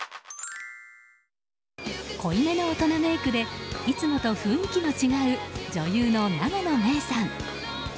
濃い目の大人メイクでいつもと雰囲気が違う女優の永野芽郁さん。